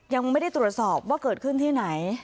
ยังไม่ได้ตรวจสอบว่าเกิดขึ้นที่ไหน